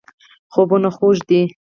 خوبونه خوږ دي.